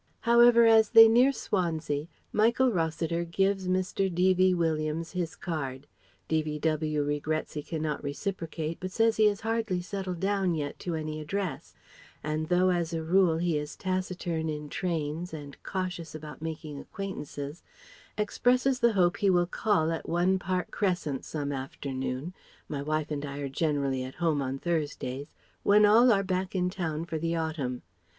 However as they near Swansea, Michael Rossiter gives Mr. D.V. Williams his card (D.V.W. regrets he cannot reciprocate but says he has hardly settled down yet to any address) and though as a rule he is taciturn in trains and cautious about making acquaintances expresses the hope he will call at 1, Park Crescent some afternoon "My wife and I are generally at home on Thursdays" when all are back in town for the autumn.